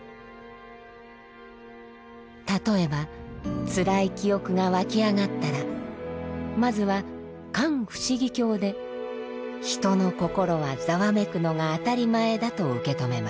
例えばつらい記憶が湧き上がったらまずは「観不思議境」で人の心はざわめくのが当たり前だと受け止めます。